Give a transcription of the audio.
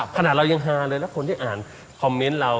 ขนาดเรายังฮาเลยแล้วคนที่อ่านคอมเมนต์เรา